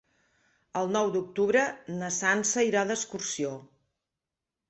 El nou d'octubre na Sança irà d'excursió.